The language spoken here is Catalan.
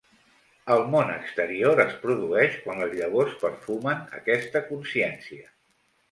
El món exterior es produeix quan les llavors "perfumen" aquesta consciència.